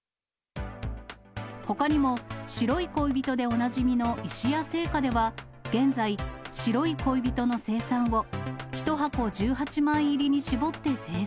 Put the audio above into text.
ほかにも白い恋人でおなじみの石屋製菓では、現在、白い恋人の生産を１箱１８枚入りに絞って製造。